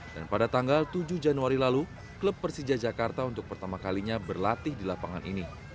dan pada tanggal tujuh januari lalu klub persija jakarta untuk pertama kalinya berlatih di lapangan ini